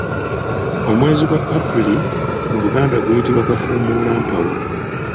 Omwezi gwa April mu luganda guyitibwa Kafuumuulampawu.